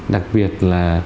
đặc biệt là